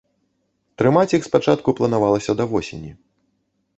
Трымаць іх спачатку планавалася да восені.